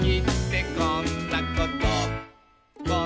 「こんなこと」